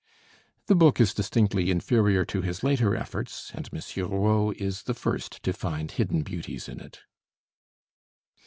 The book is distinctly inferior to his later efforts, and M. Rod is the first to find hidden beauties in it.